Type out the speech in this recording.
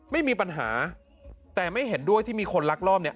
ไม่มีปัญหาแต่ไม่เห็นด้วยที่มีคนลักลอบเนี่ย